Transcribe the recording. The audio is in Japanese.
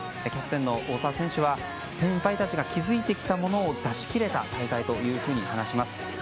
キャプテンの大澤選手は先輩たちが築いてきたものを出し切れた大会というふうに話します。